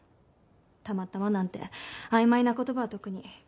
「たまたま」なんて曖昧な言葉は特に。